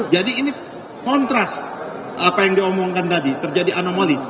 jadi ini kontras apa yang diomongkan tadi terjadi anomali